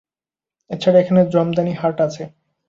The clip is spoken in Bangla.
এছাড়া এখানে জামদানি হাট আছে।